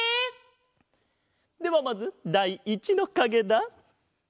ではまずだい１のかげだ。